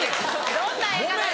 どんな映画なの？